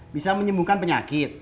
bisa menyembuhkan penyakit